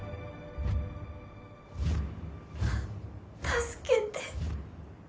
助けて。